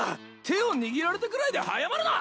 手を握られたぐらいで早まるな！